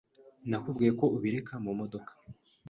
Nakubwiye ko ubireka mu modoka.